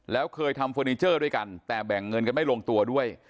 แล้วเคยทำเฟอร์นิเจอร์ด้วยกันแต่แบ่งเงินกันไม่ลงตัวด้วย